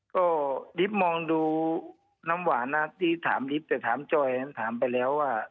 ก็ลิฟต์มองดูน้ำหวานที่ถามดิบแต่ถามจอยถามไปแล้วว่า